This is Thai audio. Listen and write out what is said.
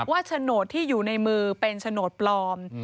โฉนดที่อยู่ในมือเป็นโฉนดปลอม